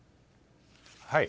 はい。